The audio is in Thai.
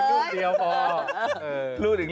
ให้ครูอีกรูปเดียวพอ